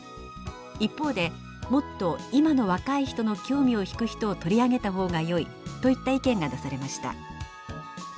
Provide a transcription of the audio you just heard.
一方で「もっと今の若い人の興味を引く人を取り上げた方がよい」といった意見が出されました。